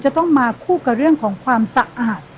จะต้องมาคู่กับเรื่องของความสะอาด